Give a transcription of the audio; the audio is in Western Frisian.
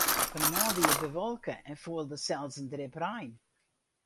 Fan 'e moarn wie it bewolke en foel der sels in drip rein.